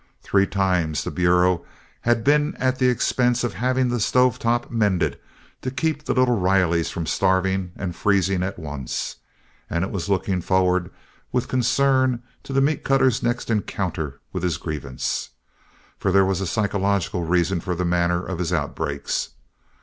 Three times the Bureau had been at the expense of having the stove top mended to keep the little Rileys from starving and freezing at once, and it was looking forward with concern to the meat cutter's next encounter with his grievance. For there was a psychological reason for the manner of his outbreaks.